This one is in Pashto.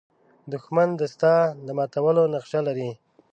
دښمن د ستا د ماتولو نقشه لري